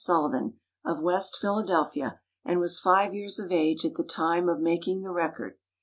S. Sullivan, of West Philadelphia, and was five years of age at the time of making the record.